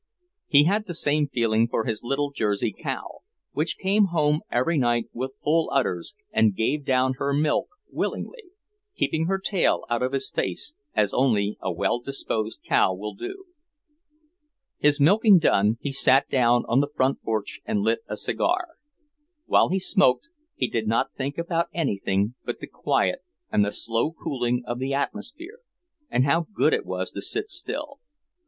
He had the same feeling for his little Jersey cow, which came home every night with full udders and gave down her milk willingly, keeping her tail out of his face, as only a well disposed cow will do. His milking done, he sat down on the front porch and lit a cigar. While he smoked, he did not think about anything but the quiet and the slow cooling of the atmosphere, and how good it was to sit still.